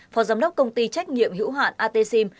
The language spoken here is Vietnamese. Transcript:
phó giám đốc công ty trách nhiệm hiệu hạn atxim